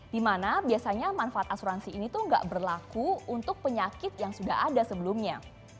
dimana biasanya manfaat asuransi ini tuh nggak berlaku untuk penyakit yang sudah ada sebelumnya